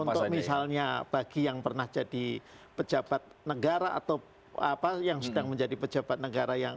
untuk misalnya bagi yang pernah jadi pejabat negara atau apa yang sedang menjadi pejabat negara yang